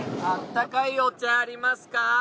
あったかいお茶ありますか？